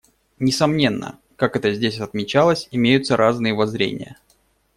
Несомненно, как это здесь отмечалось, имеются разные воззрения.